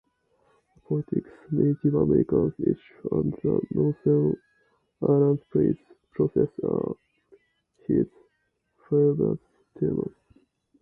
Politics, Native American issues and the Northern Ireland peace process are his favored themes.